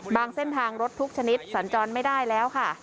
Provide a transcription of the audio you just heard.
เส้นทางรถทุกชนิดสัญจรไม่ได้แล้วค่ะ